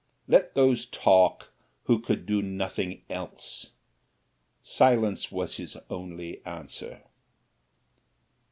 Let those talk who could do nothing else: silence was his only answer.